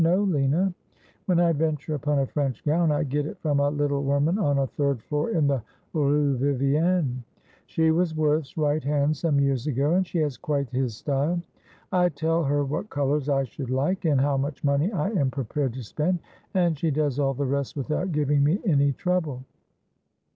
No, Lina ; when I venture upon a French gown I get it from a little woman on a third floor in the Rue Vivienne. She was Worth's right hand some years ago, and she has quite his style. I tell her what colours I should like, and how much money I am pre pared to spend, and she does all the rest without giving me any trouble.'